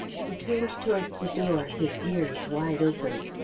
He turned towards the door, his ears wide open.